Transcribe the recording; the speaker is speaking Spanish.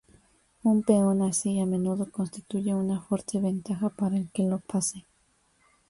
Un peón así a menudo constituye una fuerte ventaja para el que lo posee.